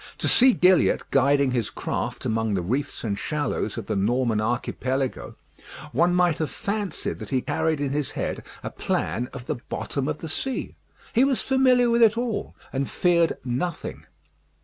To see Gilliatt guiding his craft among the reefs and shallows of the Norman Archipelago, one might have fancied that he carried in his head a plan of the bottom of the sea. He was familiar with it all, and feared nothing.